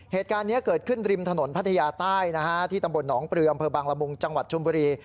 เหตุการณ์นี้เกิดขึ้นริมถนนพัทยาใต้นะฮะที่ตำบลหนองปลืออำเภอบางละมุงจังหวัดชมบุรี